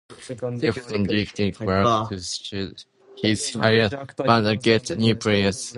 Geffen directed Clarke to shed his hired band and get new players.